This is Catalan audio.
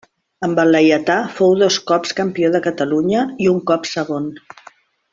Amb el Laietà fou dos cops campió de Catalunya i un cop segon.